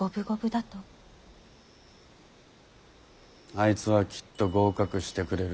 あいつはきっと合格してくれる。